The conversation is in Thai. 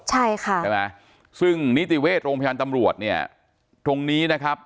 ใช่ค่ะใช่ไหมซึ่งนิติเวชโรงพยาบาลตำรวจเนี่ยตรงนี้นะครับ